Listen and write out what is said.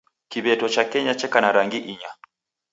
Kiw'eto cha Kenya cheka na rangi inya